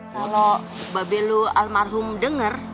kalau babel lu almarhum denger